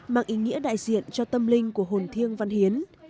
mang ý nghĩa đại diện cho tâm linh của hồn thiêng văn hiến